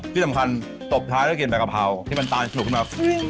ที่สำคัญตบท้ายก็กลิ่นแบบกระเภาที่มันตาลสุกขึ้นมา